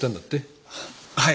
はい。